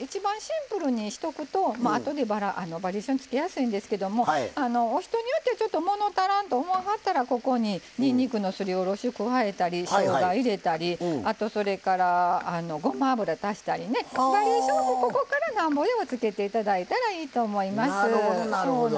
一番シンプルにしておくとあとでバリエーションつけやすいんですけれども人によってはもの足らんと思わはったらにんにくのすり下ろしいれたりしょうが入れたりあと、それからごま油を足したりバリエーションをここからなんぼでもつけていただいたらいいと思います。